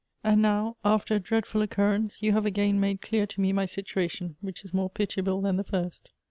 And now, after a dreadful occurrence, you have again made clear to me my situation, which is more pit iable than the first.